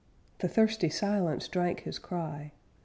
The thirsty silence drank his cry.